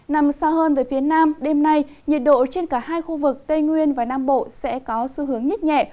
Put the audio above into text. nằm xa hơn về phía nam đêm nay nhiệt độ trên cả hai khu vực tây nguyên và nam bộ sẽ có xu hướng nhít nhẹ